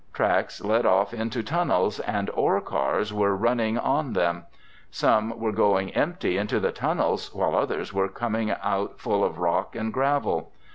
Tracks led off into tunnels and ore cars were running on them. Some were going empty into the tunnels while others were coming out full of rock and gravel.